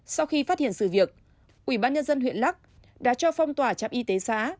sau khi phát hiện sự việc ủy ban nhân dân huyện lắc đã cho phong tỏa trạm y tế xã